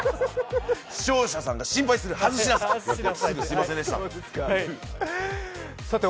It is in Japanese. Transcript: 視聴者さんが心配する、外しなさいって。